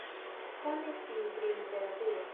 Same tiu pri literaturo.